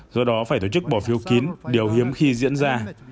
do đó phải tổ chức bỏ phiếu kín điều hiếm khi diễn ra